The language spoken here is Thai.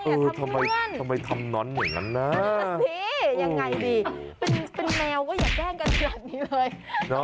อู๋รถมาเลยเข้าไปทำไมล่ะแม่ก็รักลูกเท่ากันน่ะ